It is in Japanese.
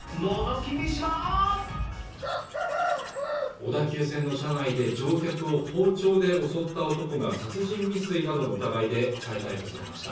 小田急線の車内で乗客を包丁で襲った男が殺人未遂などの疑いで再逮捕されました